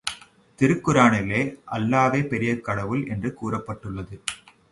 திருக்குரானிலே அல்லாவே பெரிய கடவுள் என்று கூறப்பட்டுள்ளது.